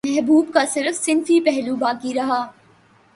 محبوب کا صرف صنفی پہلو باقی رہا